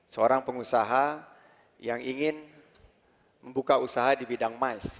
seorang pengusaha yang ingin membuka usaha di bidang miles